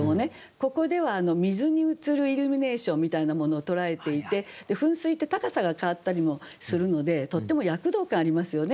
ここでは水に映るイルミネーションみたいなものを捉えていて噴水って高さが変わったりもするのでとっても躍動感ありますよね。